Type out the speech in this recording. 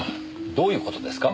どういう事ですか？